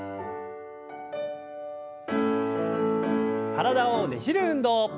体をねじる運動。